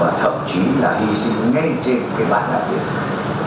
và thậm chí là hy sinh ngay trên cái bán đại biệt